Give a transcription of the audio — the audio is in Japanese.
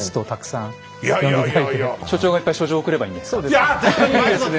所長がいっぱい書状を送ればいいんですかね。